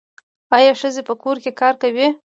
آیا ښځې په کور کې کار کوي؟